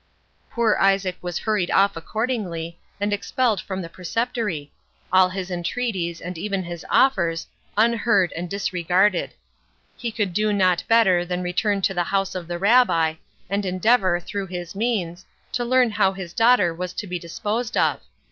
Poor Isaac was hurried off accordingly, and expelled from the preceptory; all his entreaties, and even his offers, unheard and disregarded. He could do not better than return to the house of the Rabbi, and endeavour, through his means, to learn how his daughter was to be disposed of.